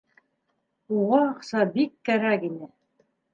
Уға аҡса бик кәрәк ине.